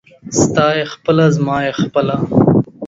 ستا يې خپله ، زما يې خپله.